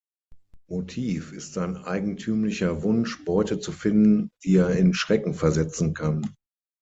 Motiv ist sein eigentümlicher Wunsch, Beute zu finden, die er in Schrecken versetzen kann.